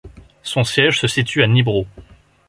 Son siège se situe à Nybro.